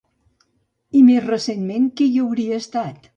I més recentment, qui hi hauria estat?